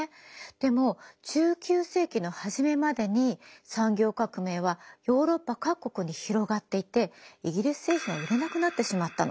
でも１９世紀の初めまでに産業革命はヨーロッパ各国に広がっていてイギリス製品は売れなくなってしまったの。